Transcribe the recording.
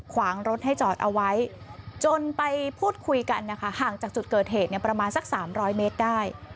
ขวางรถให้จอดเอาไว้จนไปพูดคุยกันนะคะห่างจากจุดเกิดเหตุประมาณสัก๓๐๐เมตรได้